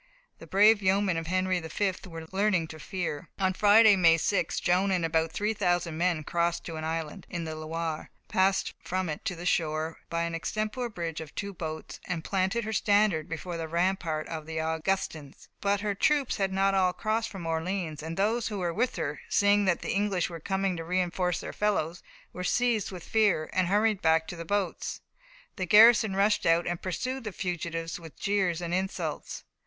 The brave yeomen of Henry V were learning to fear. On Friday, May 6th, Joan and about 3,000 men crossed to an island, in the Loire, passed from it to the shore by an extempore bridge of two boats, and planted her standard before the rampart of the Augustins. But her troops had not all crossed from Orleans, and those who were with her, seeing that the English were coming to reinforce their fellows, were seized with fear, and hurried back to the boats. The garrison rushed out and pursued the fugitives with jeers and insults.